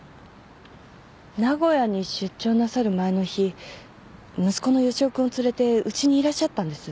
名古屋に出張なさる前の日息子の義男君を連れてうちにいらっしゃったんです。